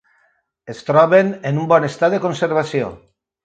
Es troben en un bon estat de conservació.